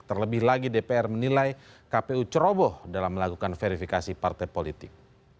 terlebih lagi dpr menilai kpu ceroboh dalam melakukan verifikasi partai politik